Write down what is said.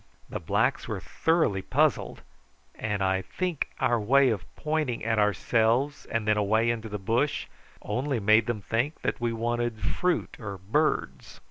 The blacks were thoroughly puzzled, and I think our way of pointing at ourselves and then away into the bush only made them think that we wanted fruit or birds.